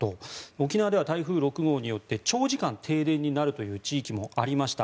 沖縄では台風６号によって長時間、停電になるという地域もありました。